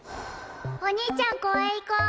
お兄ちゃん公園行こう！